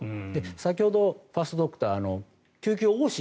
先ほどファストドクターの救急往診